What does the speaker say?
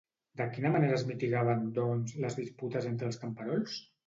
De quina manera es mitigaven, doncs, les disputes entre els camperols?